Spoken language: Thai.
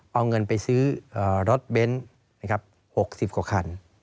เอาเงินไปซื้อรถเบนท์๖๐กว่าคัน